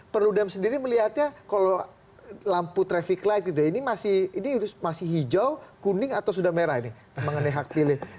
perludem sendiri melihatnya kalau lampu traffic light gitu ya ini masih hijau kuning atau sudah merah ini mengenai hak pilih